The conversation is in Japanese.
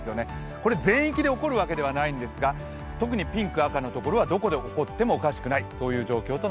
これ全域で起こるわけではないんですが特にピンク、赤のところはどこで起きてもおかしくないです